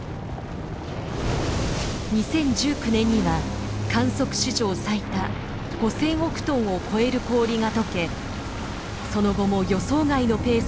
２０１９年には観測史上最多５，０００億トンを超える氷がとけその後も予想外のペースで氷が失われています。